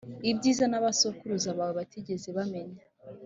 ibyiza n’abasokuruza bawe batigeze bamenya: